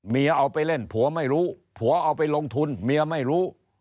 เอาไปเล่นผัวไม่รู้ผัวเอาไปลงทุนเมียไม่รู้